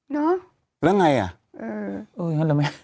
เนอะแล้วไงอ่ะเออเอออย่างนั้นเหรอแม่